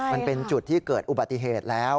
มันเป็นจุดที่เกิดอุบัติเหตุแล้ว